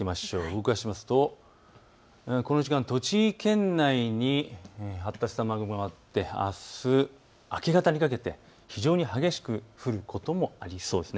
動かしますとこの時間、栃木県内に発達した雨雲があってあす明け方にかけて非常に激しく降ることもありそうです。